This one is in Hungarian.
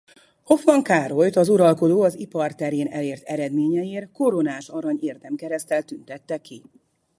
Hoffmann Károlyt az uralkodó az ipar terén elért eredményeiért koronás arany érdemkereszttel tüntette ki.